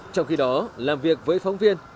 trong khi đó làm việc với phóng viên